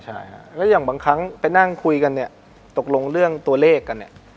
ใช่อย่างบางครั้งไปนั่งคุยกันตกลงเรื่องตัวเลขกัน